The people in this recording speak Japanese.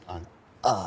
ああ。